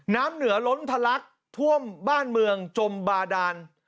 น้ำเหนือล้นทะลักท่วมบ้านเมืองจมบาดาน